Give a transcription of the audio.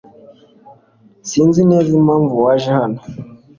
Sinzi neza impamvu waje hano .